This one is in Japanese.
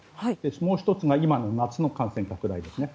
もう１つが今の夏の感染拡大ですね。